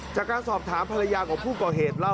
จากการสอบถามภรรยาของผู้ก่อเหตุเล่า